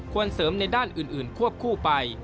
เสริมในด้านอื่นควบคู่ไป